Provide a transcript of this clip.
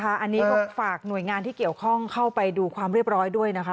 อันนี้ก็ฝากหน่วยงานที่เกี่ยวข้องเข้าไปดูความเรียบร้อยด้วยนะคะ